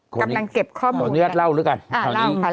กำลังเก็บข้อมูลอย่างนี้เราเนื้อเล่าด้วยกัน